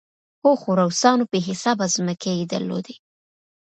هو، خو روسانو بې حسابه ځمکې درلودې.